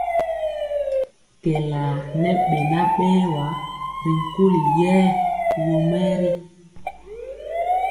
Kɛɛla ŋɛ beŋa berwa ri nkuli yɛɛ yomɛɛri.